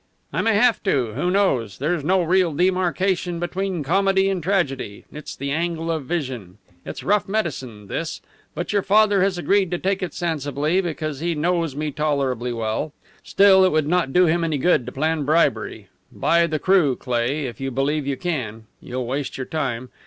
"I may have to. Who knows? There's no real demarcation between comedy and tragedy; it's the angle of vision. It's rough medicine, this; but your father has agreed to take it sensibly, because he knows me tolerably well. Still, it will not do him any good to plan bribery. Buy the crew, Cleigh, if you believe you can. You'll waste your time.